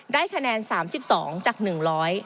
ได้คะแนน๓๒จาก๑๐๐คะแนน